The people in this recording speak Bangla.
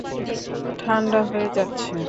ঠান্ডা হয়ে যাচ্ছে।